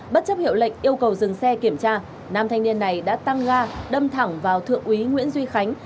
bất chấp hiệu lệnh yêu cầu dừng xe kiểm tra nam thanh niên này đã tăng ga đâm thẳng vào thượng úy nguyễn duy khánh